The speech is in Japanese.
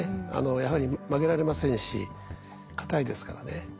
やはり曲げられませんし硬いですからね。